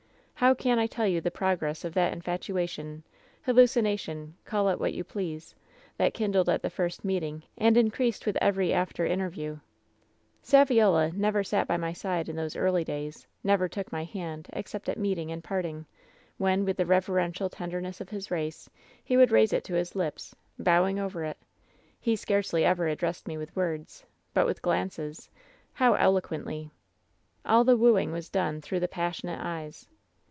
"How can I tell you the progress of that infatuation, hallucination — call it what you please — that kindled at the first meeting, and increased with every after in terview ? "Saviola never sat by my side in those early days; never took my hand, except at meeting and parting, when, with the reverential tenderness of his race, he would raise it to his lips, bowing over it. He scarcely ever addressed me with words, but with glances — ^how eloquently ! All the wooing was done through the pas sionate eyes.